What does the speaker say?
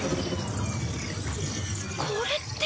これって！？